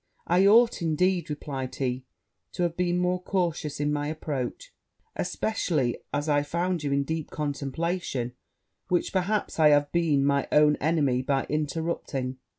'I ought, indeed,' replied he, 'to have been more cautious in my approach, especially as I found you deep in contemplation; which, perhaps, I have been my own enemy by interrupting.'